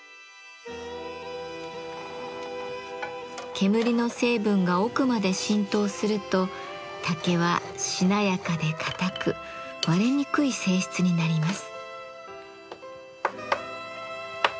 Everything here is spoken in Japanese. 煙の成分が奥まで浸透すると竹はしなやかで堅く割れにくい性質になります。